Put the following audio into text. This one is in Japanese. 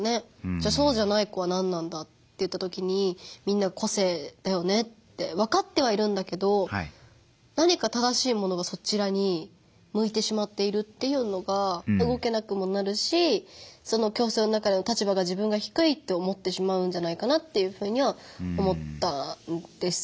そうじゃない子は何なんだっていったときにみんな個性だよねって分かってはいるんだけど何か正しいものがそちらにむいてしまっているというのが動けなくもなるし教室の中での立場が自分がひくいって思ってしまうんじゃないかなっていうふうには思ったんですよね。